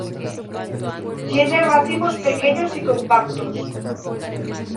Tiene racimos pequeños y compactos.